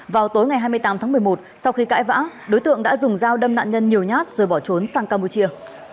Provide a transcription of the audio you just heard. vào tối ngày hai mươi tám tháng một mươi một sau khi cãi vã đối tượng đã dùng dao đâm nạn nhân nhiều nhát rồi bỏ trốn sang campuchia